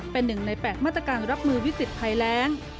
เป็นหนึ่งใน๘มาตรการรับมือวิกฤตภัยแรง